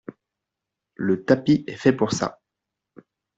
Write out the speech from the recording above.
Le tapis est fait pour ça.